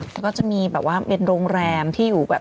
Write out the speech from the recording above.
แล้วก็จะมีแบบว่าเป็นโรงแรมที่อยู่แบบ